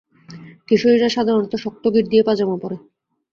কিশোরীরা সাধারণত শক্ত গিট দিয়ে পাজামা পরে।